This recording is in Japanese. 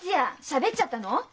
しゃべっちゃったの？